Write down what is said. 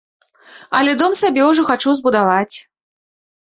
Але дом сабе ўжо хачу збудаваць.